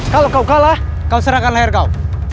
kalau kau kalah kau serangkan layar kau